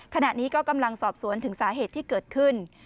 ขณะนี้ก็กำลังสอบสวนถึงสาเหตุที่เกิดขึ้น